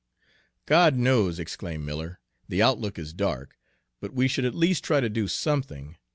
"God knows!" exclaimed Miller. "The outlook is dark, but we should at least try to do something.